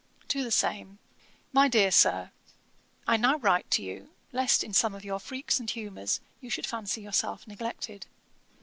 TO THE SAME. 'MY DEAR SIR, 'I now write to you, lest in some of your freaks and humours you should fancy yourself neglected.